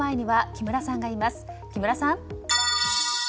木村さん。